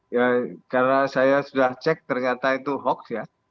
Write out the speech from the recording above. ya karena saya sudah cek ternyata itu hoax ya